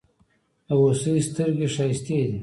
د هوسۍ ستړگي ښايستې دي.